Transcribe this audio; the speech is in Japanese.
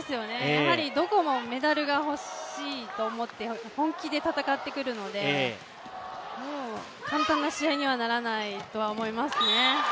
やはりどこもメダルがほしいと思って本気で戦ってくるので簡単な試合にはならないと思いますね。